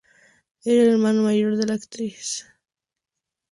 Era el hermano mayor de la actriz Judi Dench.